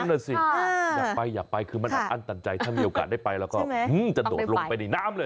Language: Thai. นั่นน่ะสิอยากไปอยากไปคือมันอัดอั้นตันใจถ้ามีโอกาสได้ไปแล้วก็จะโดดลงไปในน้ำเลย